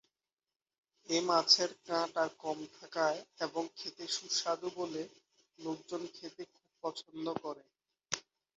এ মাছের কাঁটা কম থাকায় এবং খেতে সুস্বাদু বলে লোকজন খেতে খুব পছন্দ করে।